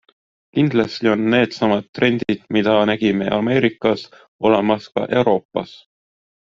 Kindlasti on needsamad trendid, mida nägime Ameerikas, olemas ka Euroopas.